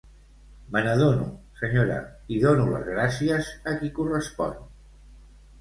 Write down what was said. Me n'adono, senyora, i dono les gràcies a qui correspon.